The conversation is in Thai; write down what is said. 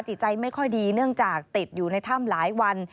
ใจไม่ค่อยดีเนื่องจากติดอยู่ในถ้ำหลายวัน